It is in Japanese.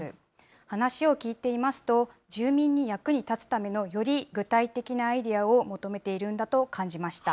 話を聞いていますと、住民の役に立つためのより具体的なアイデアを求めているんだと感じました。